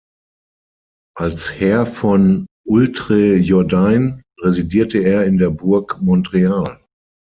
Als Herr von Oultrejordain residierte er in der Burg Montreal.